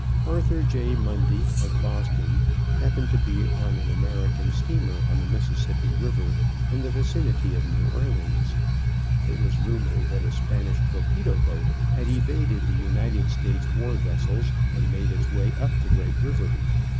Arthur J. Mundy, of Boston, happened to be on an American steamer on the Mississippi River in the vicinity of New Orleans. It was rumored that a Spanish torpedo boat had evaded the United States war vessels and made its way up the great river.